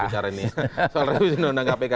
soal revisi undang undang kpk